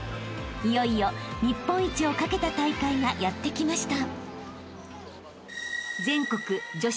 ［いよいよ日本一を懸けた大会がやって来ました］